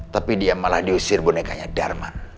tapi dia malah diusir bonekanya dharma